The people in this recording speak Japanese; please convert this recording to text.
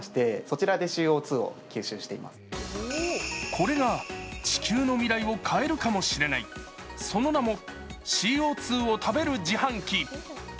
これが地球の未来を変えるかもしれない、その名もＣＯ２を食べる自販機。